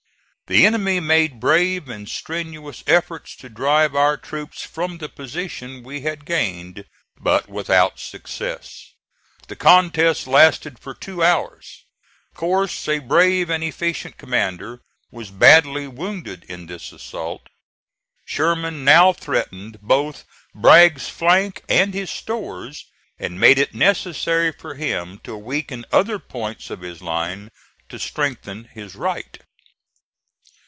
The enemy made brave and strenuous efforts to drive our troops from the position we had gained, but without success. The contest lasted for two hours. Corse, a brave and efficient commander, was badly wounded in this assault. Sherman now threatened both Bragg's flank and his stores, and made it necessary for him to weaken other points of his line to strengthen his right.